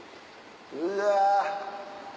うわ。